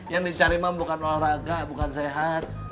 yang dicari mam bukan olahraga bukan sehat